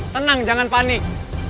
tenang jangan panik